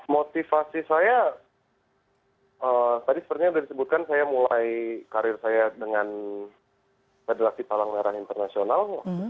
motivasi saya tadi sepertinya sudah disebutkan saya mulai karir saya dengan federasi palang merah internasional